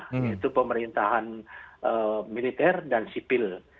yaitu pemerintahan militer dan sipil